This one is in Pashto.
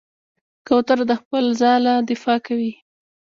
کوتره د خپل ځاله دفاع کوي.